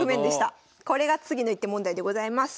これが次の一手問題でございます。